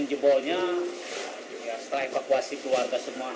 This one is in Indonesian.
jempolnya setelah evakuasi keluarga semua aman